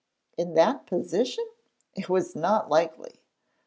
In that position? It was not likely!